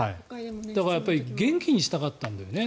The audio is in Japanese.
だから元気にしたかったんだよね。